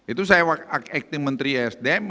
itu saya wakil aktif menteri asdm